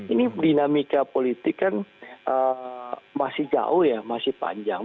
ini dinamika politik kan masih jauh ya masih panjang